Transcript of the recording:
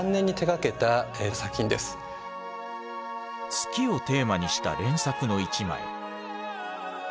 月をテーマにした連作の一枚。